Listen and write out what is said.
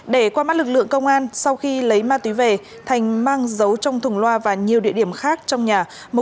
để qua mắt lực lượng công an sau khi lấy ma túy về thành mang giấu trong thùng loa và nhiều địa điểm khác trong nhà